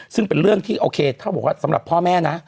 ซึ่งเป็นเรื่องที่โอเคเท่าบอกว่าสำหรับพ่อแม่นะ